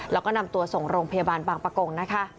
แล้วก็นำตัวส่งโรงพยาบาลบางประกงนะคะ